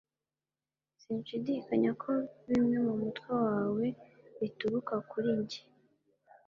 sinshidikanya ko bimwe mumutwe wawe bituruka kuri njye